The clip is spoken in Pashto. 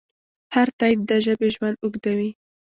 هر تایید د ژبې ژوند اوږدوي.